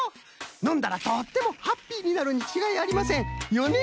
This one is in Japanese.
のんだらとってもハッピーになるにちがいありません！よね？